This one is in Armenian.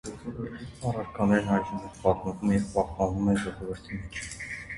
Առակներն այժմ էլ պատմվում և պահպանվում են ժողովրդի մեջ։